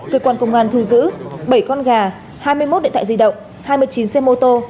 cơ quan công an thu giữ bảy con gà hai mươi một điện thoại di động hai mươi chín xe mô tô